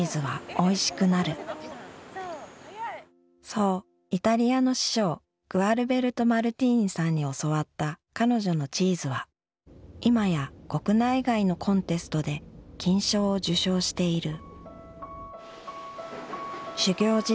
そうイタリアの師匠グアルベルト・マルティーニさんに教わった彼女のチーズは今や国内外のコンテストで金賞を受賞している。